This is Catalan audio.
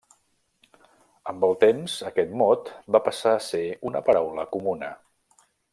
Amb el temps aquest mot va passar a ser una paraula comuna.